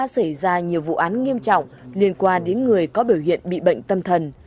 xảy ra nhiều vụ án nghiêm trọng liên quan đến người có biểu hiện bị bệnh tâm thần